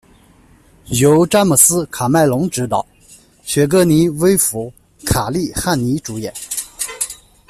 由詹姆斯·卡麦隆执导，雪歌妮·薇佛、卡利·汉尼主演。